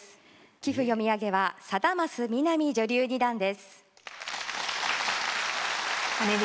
棋譜読み上げは貞升南女流二段です。